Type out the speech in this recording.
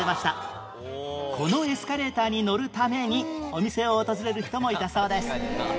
このエスカレーターに乗るためにお店を訪れる人もいたそうです